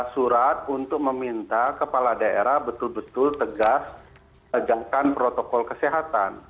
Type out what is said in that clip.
surat untuk meminta kepala daerah betul betul tegas tegakkan protokol kesehatan